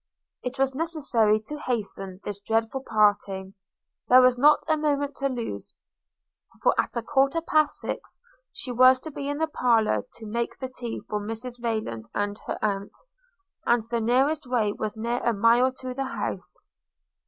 It was necessary to hasten this dreadful parting; there was not a moment to lose; for at a quarter past six she was to be in the parlour to make the tea for Mrs Rayland and her aunt, and the nearest way was near a mile to the house.